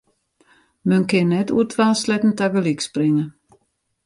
Men kin net oer twa sleatten tagelyk springe.